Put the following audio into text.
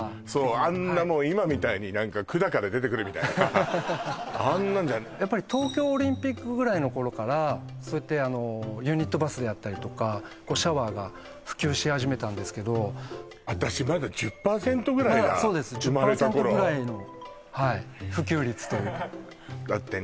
あんなもう今みたいに何か管から出てくるみたいなあんなんじゃないやっぱり東京オリンピックぐらいの頃からそうやってあのユニットバスであったりとかシャワーが普及し始めたんですけど私まだ１０％ぐらいだそうです１０％ぐらいの生まれた頃はい普及率だってね